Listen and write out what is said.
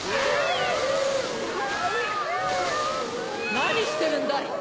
なにしてるんだい！